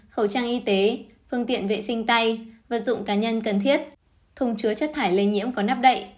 khẩu trang y tế phương tiện vệ sinh tay vật dụng cá nhân cần thiết thùng chứa chất thải lây nhiễm có nắp đậy